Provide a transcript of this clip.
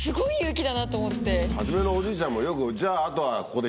初めのおじいちゃんもよく。